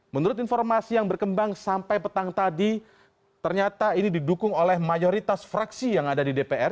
menurut informasi yang berkembang sampai petang tadi ternyata ini didukung oleh mayoritas fraksi yang ada di dpr